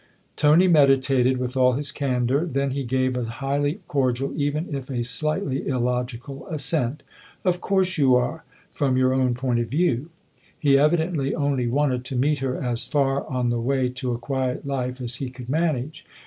Tony meditated, with all his candour; then he gave a highly cordial, even if a slightly illogical assent. " Of course you are from your own point of view." He evidently only wanted to meet her as far on the way to a quiet life as he could manage.